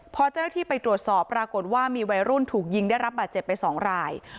พอเจ้าหน้าที่ไปตรวจสอบปรากฏว่ามีวัยรุ่นถูกยิงได้รับบาดเจ็บไป๒ราย